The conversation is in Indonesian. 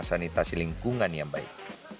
sanitasi lingkungan yang baik